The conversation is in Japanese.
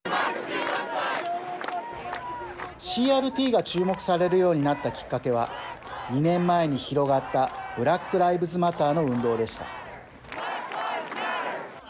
ＣＲＴが注目されるようになったきっかけは２年前に広がったブラック・ライブズ・マターの運動でした。